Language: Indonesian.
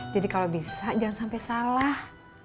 jadi kalau bisa jangan sampai salah